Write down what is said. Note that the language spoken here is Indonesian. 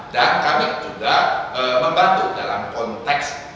dan kami juga membantu dalam konteks